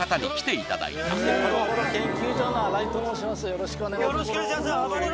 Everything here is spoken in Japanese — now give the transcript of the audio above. よろしくお願いします